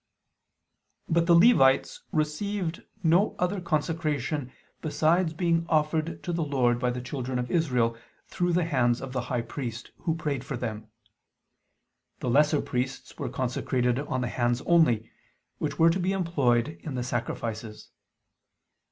But the Levites received no other consecration besides being offered to the Lord by the children of Israel through the hands of the high priest, who prayed for them. The lesser priests were consecrated on the hands only, which were to be employed in the sacrifices.